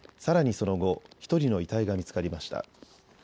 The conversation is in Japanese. その後、１人の遺体が見つかりました。